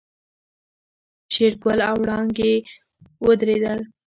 شېرګل او وړانګې ودرېدل.